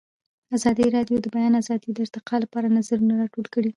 ازادي راډیو د د بیان آزادي د ارتقا لپاره نظرونه راټول کړي.